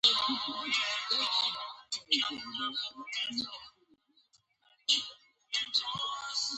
صندوقه مهمات راوړل سوي وې.